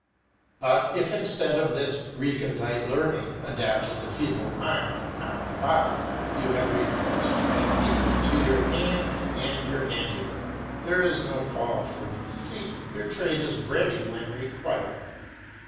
But if instead of this recondite learning adapted to feed the mind, not the body, you have recourse, at need, to your hands and your handiwork, there is no call for deceit, your trade is ready when required.